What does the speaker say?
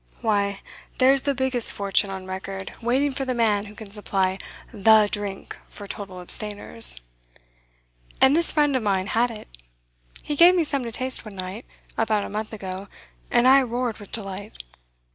Why, there's the biggest fortune on record waiting for the man who can supply the drink for total abstainers. And this friend of mine had it. He gave me some to taste one night, about a month ago, and I roared with delight.